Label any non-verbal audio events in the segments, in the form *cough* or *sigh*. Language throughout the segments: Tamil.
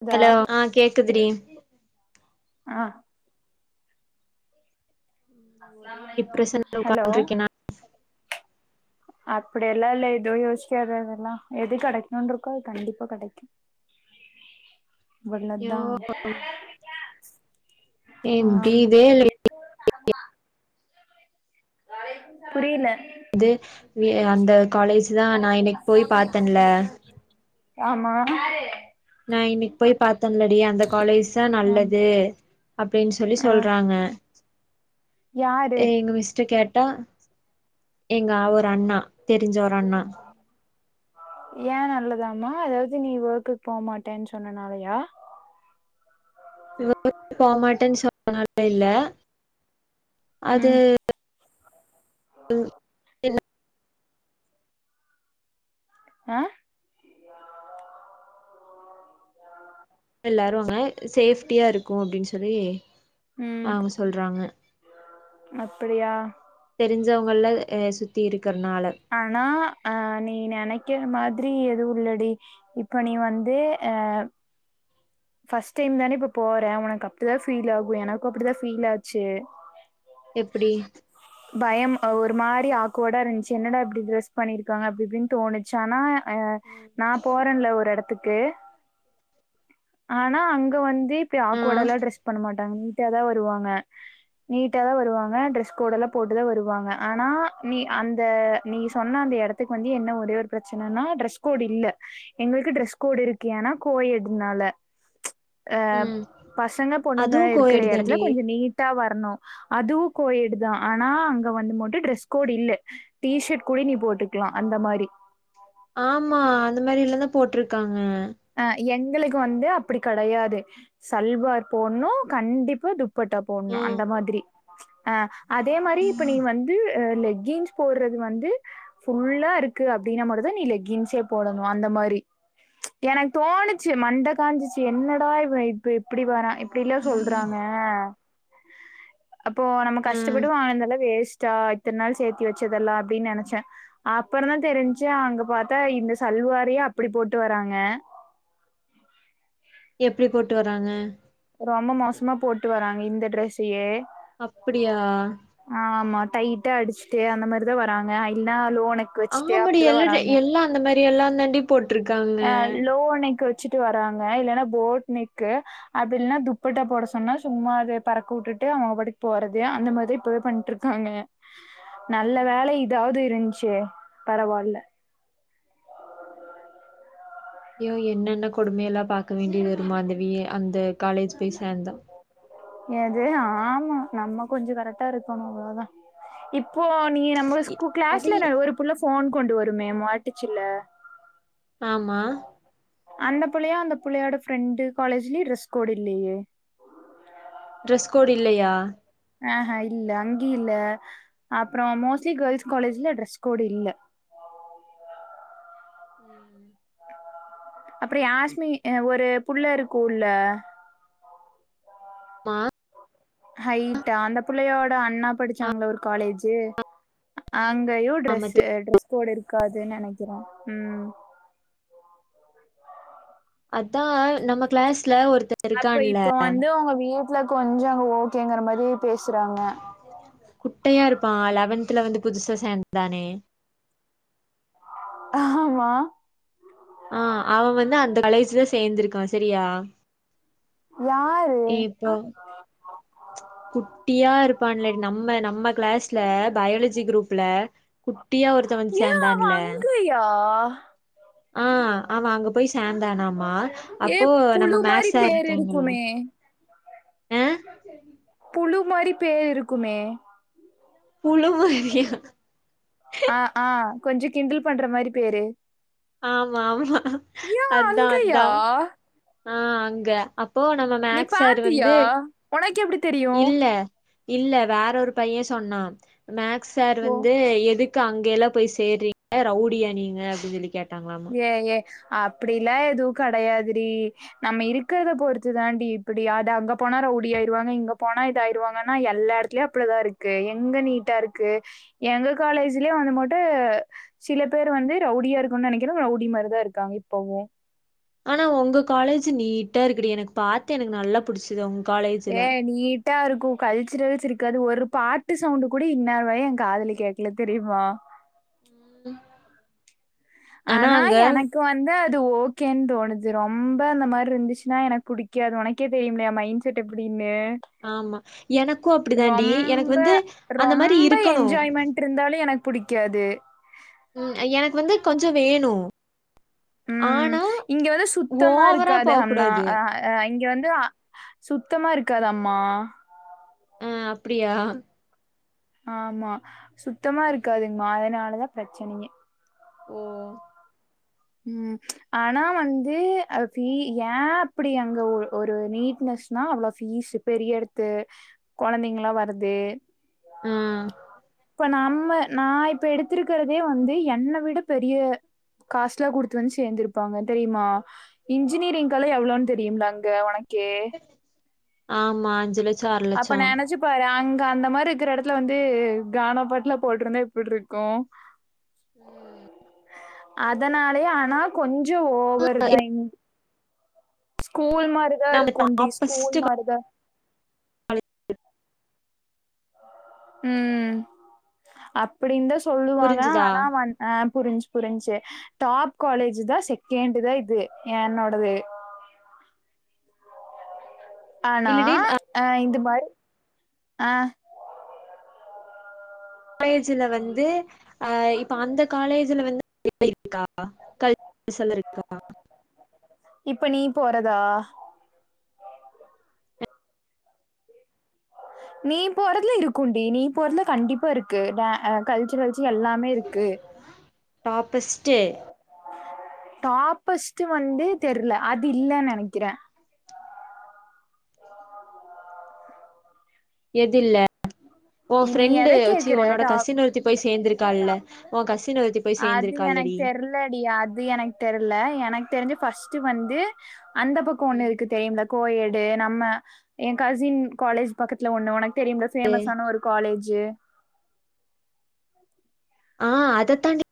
அதா ஹலோ ஆ கேக்குதுடி ஆஹ் ஒரே டிப்ரஷன்ல ஹலோ உ்கார்துகேன அப்படி எல்லாம் இல் எதோ அப்படிலாம் இல்ல யோசிக்காத அதெல்லாம் எது கிடைக்கணும்னு இருக்கோ அது கண்டிப்பா கிடைக்கும் *inaudible* அவ்வள ஐயோ தா ஏம் *unintelligible* புரில இது அந்த காலேஜ் தான் நான் இனிக்கு போய் பாாரத்தேன்ல ஆமா நான் இன்னைக்கு போய் பாத்தேன்லடி அந்த காலேஜ் தான் ஆம் நல்லது அப்படின்னு சொல்லி ஆ சொல்றாங்க யாரு எங்க மிஸ்ட்ட கேட்டா எங்க அவரு அண்ணா தெரிஞ்ச ஒரு அண்ணா ஏன் நல்லதாமா அதாவது நீ ஒர்க்குக்கு போமாட்டேன்னு சொன்னனாலயா இ போமாட்டேன்னு சொன்னால இல்ல அது ம் ம் என்ன ஆஹ எல்லாரு அங்க சேஃப்டியா இருக்கும் அப்படின்னு சொல்லி உம் அவங்க சொல்றாங்க அப்படியா தெரிஞ்சவங்களல சுத்தி இருக்கறனால ஆனா அஹ் நீ நினைக்கிற மாதிரி எது இள்ளடி இப்ப நீ வந்து அஹ் ஃபர்ஸ்ட் டைம் தானே இப்ப போற உனக்கு அப்படிதான் ஃபீல் ஆகும் எனக்கும் அப்படிதான் ஃபீல் ஆச்சு எப்டி *inaudible* பயம் ஒரு மாரி ஆக்குவோடா இருச்சு என்னடா எப்படி ட்ரெஸ் பண்ணியிருக்காங்க அப்படி இப்படின்னு தோணுச்சு ஆனா அ நான் போரன்ல ஒரு எடத்துக்கு ஆனா அங்க வந்து இப்படி ஆ ஆக்வாட லா டிரரெஸ் பண்ண மாட் தங்கதா வருவாங்க வாங்க ஆனா நீ அந்த நீ சொன்ன அந்த இடத்துக்கு வந்து என்ன ஒரே ஒரு பிரச்சனைன்னா டிரெஸ் கோட் இல்ல எங்களுக்கு டிரெஸ் கோடு இருக்கு ஏன்னா கோய எடுனால அஹ ம் பசங்க பொண்ணுங்க அதுவு இருக்கிற கோயேடு இடத்துல தாண்டி கொஞ்சம் நீட் நீட்டா வரணும் அதுவும் கோயெடு தான் ஆனா அங்க வந்து மட்டும் ட்ரெஸ் கோடு் இல்ல டீஷர்ட் குடா நீ போட்டுக்கலாம் அந்த மாதிரி ஆமா அந்த மாதிரி இல்லதான் போட்ருக்காங்க அஹ் எங்களுக்கு வந்து அப்படி கேடையாது சல்வார் போடனும் கண்டிப்பா து துபட்ட போடணும் ம் அந்த மாதிரி ஆஹ் அதே மாரி இப்ப நீ வந்து அ லெக்கின்ஸ் போடுறது வந்து ஃபுல்லா இருக்கு அப்டின்னா மட்டு தா நீ லெக்கின்சே போடணு அந்த மாரி எனக்கு தோணுச்சு மண்ட காஞ்சிச்சு என்னடா இவ இப் ப இப்டி வரா இப்டிலா சொல்றாங்க அப்போ நம்ம ஆ கஷ்டப்பட்டு வாங்குனதெல்லா வேஸ்ட்டா இத்தன் நாள் சேத்தி வச்சதெல்லா அப்டி நெனச்சே அப்புற தா தெரிஞ்சு அங்க பாத்தா இந்த சல்வாரையே அப்டி போட்டு வராங்க எப்டி போட்டு வராங்க ரொம்ப மோசமா போட்டு வராங்க இந்த டிரெஸ்ஸையே அப்டியா ஆ ஆமா டைட்டா அடிச்ட்டு அந்த மாரிதா வராங்க அ இல்ன்னா லோ நெ ஆமாடி எல்லா ட எல்லா அந்த மாரி எல்லா தாண்டி போட்ருக்காங் ஆ லோ நெக்கு வெச்சுட்டு வராங்க இல்லன்னா போட் நெக்கு அது இல்னா துப்பட்டா போட சொன்னா சும்மாவே பறக்க வுட்டுட்டு அவங்க பட்டுக்கு போறது அந்த மாதிரி இப்போவே பண்ணிட்டு இருப் காங்க நல்ல வேல இதாவது இருந்ச்சே பரவாயில்ல ஐயோ என்னென்ன கொடுமையெல்லா பாக்க வேண்டி வருமா அந்த வி அந்த காலேஜ் போய் சேந்தா எது ஆமா நம்ம கொஞ்ச கரெக்டா இருக்கணு அவ்ளோதா இப்போ நீ நம்ம ஸ்கு அது கிளாஸ்ல ந ஒரு புள்ள ஃபோன் கொண்டு வருமே மாட்டுச்சுல்ல ஆமா அந்த பிள்ளையா அந்த பிள்ளையோட ஃப்ரெண்டு் காலேஜ்லயு ட்ரெஸ் கோட் இல்லையே டிரெஸ் கோட் இல்லையா ஆஹா இல்ல அங்கயு இல்ல அப்புறோ மோஸ்ட்லி கேல்ஸ் காலேஜ்ல ட்ரெஸ் கோட் இல்ல ம் அப்புற யாஸ்மி அ ஒரு புள்ளி இருக்குல மா ஹைட்டா அந்த புள்ளையோட அண்ணா படிச்சாங்கள ஒரு காலேஜு அங்கயு ஆமா ட்ரெஸு அ ட்ரெ கோட் இருக்காது நெனைக்கிறே ம் அதா நம்ம கிளாஸ்ல ஒருத்த அப்ப இருக்கான்ல இப்ப வந்து எங்க வீட்ல கொஞ்சோ ஓகேங்கற மாரி பேசுறாங்க குட்டையா இருப்பா லெவன்துல வந்து புதுசா சேந்தானே ஆமா ஆ அவ வந்து அந்த கலேஜ்ல சேந்திருக்கா செரியா யா ரு குட்டியா இருப்பான்ல நம்ம நம்ம கிளாஸ்ல பயாலஜி குரூப்ல குட்டியா ஒரு ஏ அவ அங்கயா ஆ அவ அங்க போய் சேந்தானாமா ஏ அப்போ புழு நம்ம மாரி மேக் சார் பேர் இருக்காங்கல்ல இருக்குமே ஆ புழு மாரி பே இருக்குமே புலுவு ஆ ஆ கொஞ்ச கிண்டல் பண்ற மாரி பேரு ஆமா ஆமா ஏன் அதா அதா அங்கயா ஆ அங்க அப்போ நம்ம மேக் சார் வந்து ஒனக் எப்டி தெரியு இல்ல இல்ல வேற ஒரு பைய சொன்னா மேக்ஸ் சார் ஓ வந்து எது க்கு அங்க எல்லா போய் சேர்றீங்க ரவுடியா நீங்க அப்டி சொல்லி கேட்டாங்களா ஏ ஏ அப்டிலா எதுவு கெடயாதுடி நம்ம இருக்கிறத பொறுத்து தாண்டி இப்டி அது அங்க போனா ரவுடி ஆயிருவாங்க இங்க போனா இத ஆயிருவாங்கன்னா எல்லார் லியு அப்படிதா இருக்கு எங்க நீட்டா இருக்கு எங்க காலேஜ்லயு வந்துமுட்டு சில பேர் வந்து ரவுடியா இருக்குனு நினெனக்கிற ரவுடி மாரிதா இருக்காங்க இப்பவு ஆனா உங்க காலேஜ் நீட்டா இருக்குடி எனக்கு பாாரத்து எனக்கு நல்லா புிடிச்சது ஒங்க ஏ நீ இருக்கும் கல்ச்சரல்ஸ் இருக்காது ஒரு பாட்டு சவுண்ட் கூட இன்னரு வாய என் காதல கேடக்கல தெரியுமா உம் ஆனா எனக்கு இப்ப வந்து அது ஓகேன்னு தோணுது ரொம்ப அந்த மாதிரி இருந்துச்சுன்னா எனக்கு புடிக்காது உனக்கே தெரியும்லா எமைண்ட் சட எப்படின்னு ஆமா எனக்கு அப்டிதான்டி எனக்கு ரொம்ப வந்து அந்த மாரி ரொம்ப இருக்கணு என்ஜாய்மெண்ட் இருந்தாலும் பிடிக்காது ம் எனக்கு வந்து கொஞ்ச வேணு ம் ஆனா இங்க வந்து சுத்தமா ஓவரா இருக்காது அம்னா போகூடாது அ இங்க வந்து சுத்தமா இருக்காதம்மா அ அப்டியா ஆமா சுத்தமா இருக்காதுங்கமா அதுனாலதா பிரச்சனயே ஓ ம் ஆனா வந்து ஏன் அப்டி அங்க ஒரு நீட்னஸ் நா அவ்ளோ பீஸ் பெரிய எடத்து கொழந்தைங்கலா வருது ஆ இப்ப நம்ம நா இப்ப எடுத்திருக்கிறதே வந்து என்ன விட பெரிய காஸ்ட்லா குடுத்து வந்து சேந்திருப்பாங்க தெரியுமா இன்ஜினீரிங்க்கலா எவ்ளோன்னு தெரியும்ல அங்க உனக்கே ஆமா அஞ்சுல அப்ப நா என்ன ஜிப் பாரு அங்க அந்த மாரி இருக்குற எடத்துல வந்து கானா பாட்டுலா போட்ருந்தா எப்ட்ருக்கு ம் அதனாலே ஆனா கொஞ்ச ஓவரு தா இ ஸ்கூல் மாரிதா நம்ம இருக்குண்டி ஸ்கூல் டாப்பஸ்ட் மாரிதா *inaudible* ம் அப்டின்தா சொல்லுவாங்க புரிஞ்சுதா ஆனா வ ஆ புருன்ஞ்சு புருன்ஞ்சு டாப் காலேஜ் தா செகண்ட் தா இது என்னோடது ஆனா இல்லடி அ இந்த மாரி ஆ காலேஜ்ல வந்து அ இப்ப அந்த காலேஜ்ல வந்து *unintelligible* இருக்கா கல் *unintelligible* இருக்கா இப்ப நீ போறதா நீ போறதுல இருக்குண்டி நீ போறதுல கண்டிப்பா இருக்கு ட கல்ச்சுரசு எல்லாமே இருக்கு டாப்பஸ்ட் டாப்பஸ்ட் வந்து தெர்ல அது இல்ல நெனைக்கிற எது இல்ல ஒ நீ ஃப்ரெண்டு எத சீ கேக்குற உன்னோட டா கசின் ஒருத்தி போய் சேரந்திருக்காள்ல ஒ கசின் ஒருத்தி போய் அது எனனக்கு சேந்திருக்கால்லடி தெர் இல்லடி அது எனக்கு தெரில எனக்கு தெரிஞ்சு பஸ்ட்ட் வந்து அந்த பக்க ஒண்ணு ம் இருக்கு தெரியும்ல கோயேடு நம்ம எஏ கசின் காலேஜ் பக்கத்துல ஒண்ணு உனக்கு தெரியும்ல பேமஸான ஒரு காலேஜு ஆ அதத்தாண்டி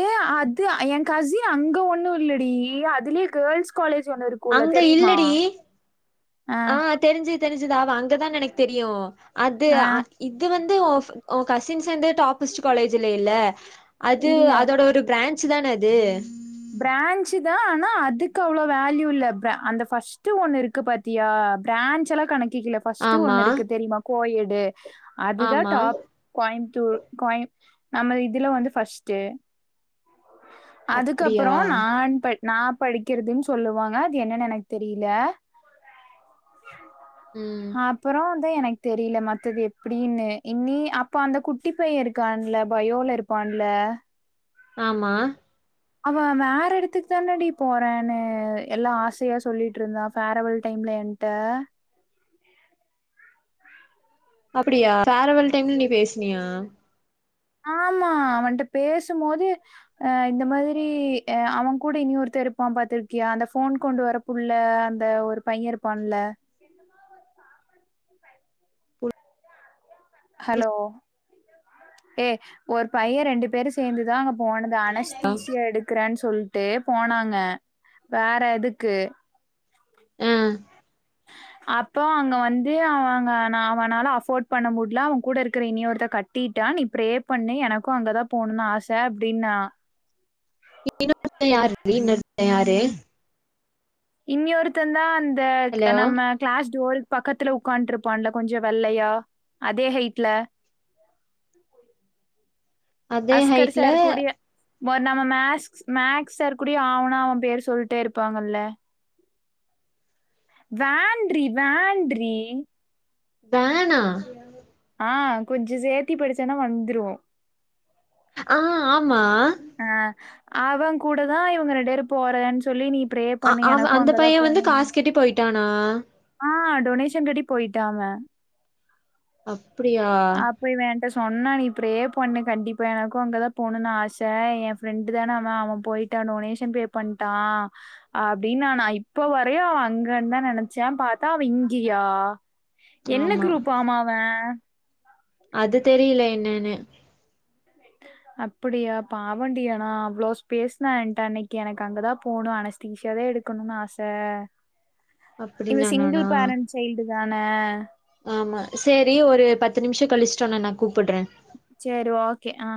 ஏ அது என் கசின் அங்க ஒண்ணு இல்லடி அதுலயே கேர்ள்ஸ் காலேஜ் ஒண்ணு இரு அங்க இல்லடி ஆ தெரிஞ்சு தெரிஞ்சுதாவ அங்கதான் எனக்கு தெரியும் அது ஆ இது வந்து உன் கசின்ஸ் வந்து டாபிஸ்ட் காலேஜ் இல்லேல அது இல்ல அதோட ஒரு ப்ரான்ச் தான அது ப்ரான்ஞ்சு தா ஆனா அதுக்கு அவ்ளோ வேல்யூ இல்ல அந்த பஸ்ட் ஒண்ணு இருக்கு பாத் தியா ப்ரான்சல்லா கணக்கிக்கில்ல ஃபஸ்ட் ஆமா ஒண்ணு இருக்கு தெரியுமா கோயெடு அதுதா ஆமா டாப் கோயம்த்தூர் கோய நம இதுல வந்து ஃபர்ஸ்ட்டு அதுக்கப்புற அப்டியா நான் ப நா படிக்கிறதுன் சொல்லுவாங்க அது என்னன்னு எனக்கு தெரியல ம் அப்புற தா எனக்கு தெரியல மத்தது எப்டினு இனி அப்போ அந்த குட்டி பைய இருக்கான்ல பயோல இரு பான்ல ஆமா அவ வேற எடத்துக்கு தானாடி போறனு எல்லா ஆசையா சொல்லிட்டு இருந்தா ஃபேரவல் டைம்ல என் ட அப்படியா ஃபேரவல் டைம்ல நீ பேசுனியா ஆமா அவன்ட்ட பேசும்போது அ இந்த மாதிரி அவங்கூட இனி ஒருத்த இருப்பா பாத்திருக்கியா அந்த ஃபோன் கொண்டு வர புள்ள அந்த ஒரு பைய இருபான்ல ஆமாருப்பா ஹலோ ஏ ஒரு பைய ரெண்டு பேரு சேந்துதா அங் போனது அனஸ்தீசியா எடுக்குறேன் சொல்ட்டு போனாங்க வேற எதுக்கு ஆ அப்போ அங்க வந்து அவங்க அவனால அஃபோர்ட் பண்ண முடில அவ கூட இருக்கிற இனி ஒருத்த கட் டீட்டா நீ பிரே பண்ணு எனக்கு அங்கதா போணுனு ஆச அப்டின்னா இன்னொருத்த யாருடி இன்னொருத்த யாரு இன்னியொருத்த தா அந்த ஹலோ நம்ம கிளாஸ் டோர்க்கு பக்கத்துல ஒக்கான்ட்டு இருப்பான்ல கொஞ்ச வெள்ளையா அதே ஹைட்ல அதே அஸ்கர் ஹைட்ல சார் கூடிய ஒரு நம்ம மேக்ஸ் மேக்ஸ் சார் கூடிய ஆ வுனா அவ பேர் சொல்ட்டே இருப்பாங்கல்ல வேன்றி வேன்றி வேணா ஆ கொஞ்ச சேத்தி படிச்சன்னா வந்ரு ஆ ஆமா ஆ அவங்கூடதா இவங்க ரெண்டு பேரு போறேன் சொல்லி நீ ப்ரே அ பண்ணு அவ எனக்கும் அந்த அங்கதா பைய வந்து போணும்னு. காஸ் கட்டி போயிட்டானா ஆ டொனேஷன் கட்டி போயிட்டா அவ அப்டியா இப்ப இவ என்ட சொன்னா நீ ப்ரெ பண்ணு கண்டிப்பா எனக்கு அங்கதா போணுனு ஆச எ ஃப்ரெண்டு தான அவ அவ போயிட்டா டொனேஷன் பே பண்ட்டா அப்டின்னா நா இப்ப வரையு அவ அங்கன்தா நினைச்சேன் பாத்தா அவ இங்கயா என்ன குரூப் ஆமா அவ அது தெரியல என்னன்னு அப்படியா பாவண்டி ஆனா அவ்ளோஸ் பேசுனா என்ட அன்னைக்கு எனக்கு அங்கதா போணு அனஸ் தீசியாவே எடுக்கணுனு ஆச இவ அப்டின்னு சிங்கிள் சொன்னானா பேரண்ட் சைல்டு தான ஆமா செரி ஒரு பத்து நிமிஷோ கழிச்சிட்டு உன்ன நா கூப்புடுற செரி ஓகே ஆ